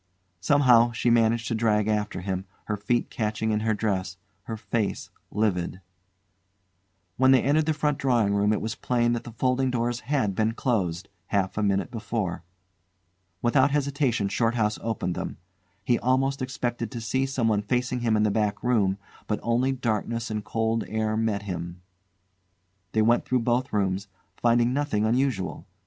Somehow she managed to drag after him, her feet catching in her dress, her face livid. When they entered the front drawing room it was plain that the folding doors had been closed half a minute before. Without hesitation Shorthouse opened them. He almost expected to see someone facing him in the back room; but only darkness and cold air met him. They went through both rooms, finding nothing unusual.